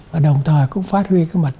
và đồng thời cũng phát huy cái mặt